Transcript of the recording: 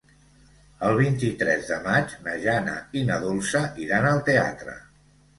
El vint-i-tres de maig na Jana i na Dolça iran al teatre.